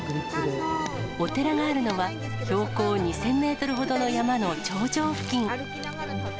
お寺があるのは、標高２０００メートルほどの山の頂上付近。